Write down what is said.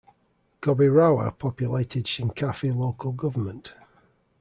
Gobirawa populated Shinkafi Local Government.